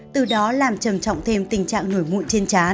từ đó làm trầm trọng thêm tình trạng nổi mụn trên trái